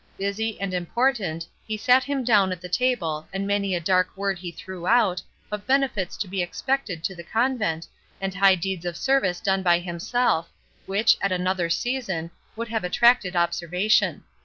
Busy and important, he sat him down at the table, and many a dark word he threw out, of benefits to be expected to the convent, and high deeds of service done by himself, which, at another season, would have attracted observation.